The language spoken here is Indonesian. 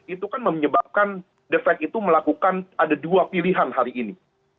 itu kan menyebabkan the fed itu melakukan ada dua pilihan hari ini